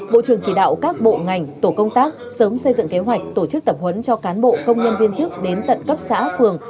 bộ trưởng chỉ đạo các bộ ngành tổ công tác sớm xây dựng kế hoạch tổ chức tập huấn cho cán bộ công nhân viên chức đến tận cấp xã phường